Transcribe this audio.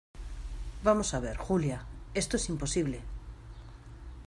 vamos a ver, Julia , esto es imposible.